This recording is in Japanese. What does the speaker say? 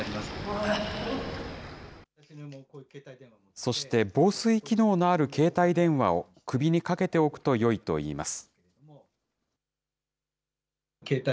そして防水機能のある携帯電話を首にかけておくとよいといいます。